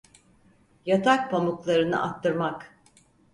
Yatak pamuklarını attırmak…